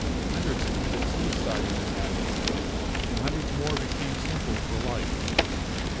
Hundreds committed suicide in their madness, and hundreds more became simple for life.